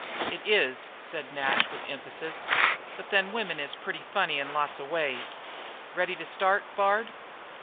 "It is," said Nash with emphasis, "but then women is pretty funny in lots of ways. Ready to start, Bard?"